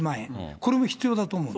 これも必要だと思う。